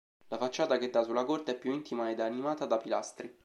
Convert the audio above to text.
La facciata che dà sulla corte è più intima ed animata da pilastri.